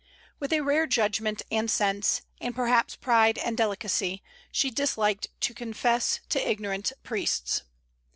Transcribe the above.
With a rare judgment and sense, and perhaps pride and delicacy, she disliked to confess to ignorant priests.